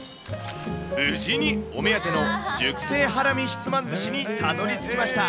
無事にお目当ての熟成ハラミひつまぶしにたどりつきました。